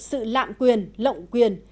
sự lạm quyền lộng quyền